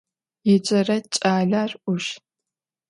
Yêcere ç'aler 'uşş.